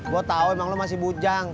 gua tau emang lu masih bujang